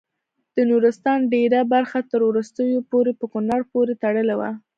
د نورستان ډیره برخه تر وروستیو پورې په کونړ پورې تړلې وه.